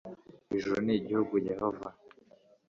ijuru Ni igihugu Yehova